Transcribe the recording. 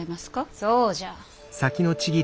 そうじゃ。